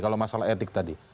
kalau masalah etik tadi